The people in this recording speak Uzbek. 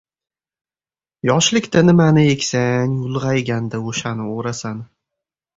Yoshlikda nimani eksang, ulg‘ayganda o‘shani o‘rasan.